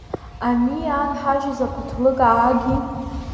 Ани инҳажьыз аԥаҭлыка ааги!